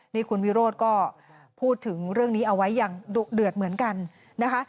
นี่คุณวิโรธก็พูดถึงเรื่องนี้เอาไว้อย่างดุเดือดเหมือนกันนะคะ